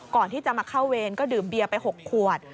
ก่อนที่จะมาเข้าเวรก็ดื่มเบียร์ไป๖ขวด